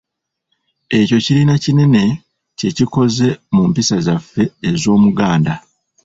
Ekyo kirina kinene kye kukoze mu mpisa zaffe ez’Omuganda.